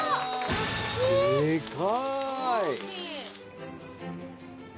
でかい！